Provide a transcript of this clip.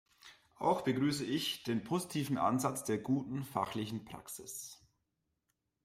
Auch begrüße ich den positiven Ansatz der guten fachlichen Praxis.